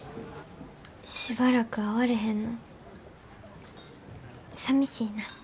しばらく会われへんのさみしいな。